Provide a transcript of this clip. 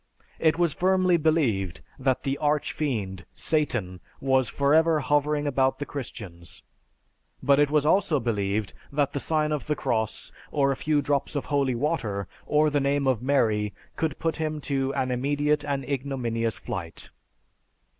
It was firmly believed that the arch fiend (Satan) was forever hovering about the Christians, but it was also believed that the sign of the cross, or a few drops of holy water, or the name of Mary, could put him to an immediate and ignominious flight.